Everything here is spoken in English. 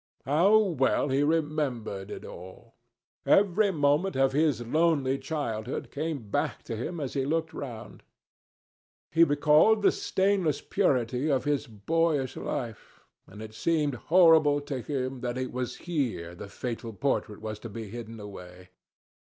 How well he remembered it all! Every moment of his lonely childhood came back to him as he looked round. He recalled the stainless purity of his boyish life, and it seemed horrible to him that it was here the fatal portrait was to be hidden away.